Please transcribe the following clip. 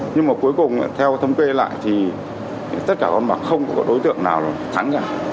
nhưng mà cuối cùng theo thống kê lại thì tất cả con bạc không có đối tượng nào thắng cả